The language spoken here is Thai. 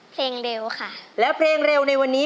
เพลงเร็วค่ะแล้วเพลงเร็วในวันนี้